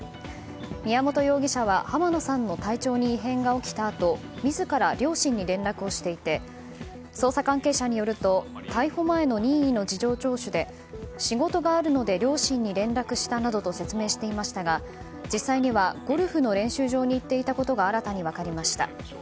宮本容疑者は濱野さんの体調に異変が起きたあと自ら両親に連絡をしていて捜査関係者によると逮捕前の任意の事情聴取で仕事があるので両親に連絡したなどと説明していましたが、実際にはゴルフの練習場に行っていたことが新たに分かりました。